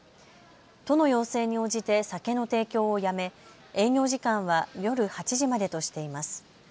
都の要請に応じて酒の提供をやめ営業時間は夜８時までとしています。